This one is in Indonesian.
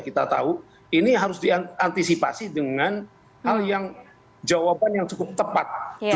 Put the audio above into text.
kita tahu ini harus diantisipasi dengan hal yang jawaban yang cukup tepat